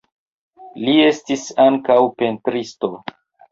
Li estis ankaŭ pentristo.